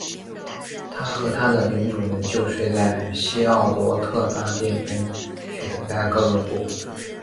他和他的领主们就睡在希奥罗特大殿中去等待哥伦多。